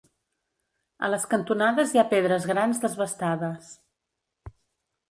A les cantonades hi ha pedres grans desbastades.